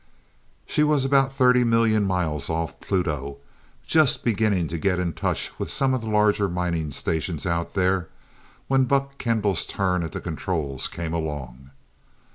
She was about thirty million miles off Pluto, just beginning to get in touch with some of the larger mining stations out there, when Buck Kendall's turn at the controls came along.